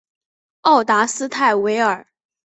奥达斯泰韦尔。